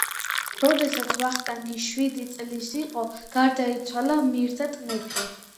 როდესაც ვახტანგი შვიდი წლის იყო გარდაიცვალა მირდატ მეფე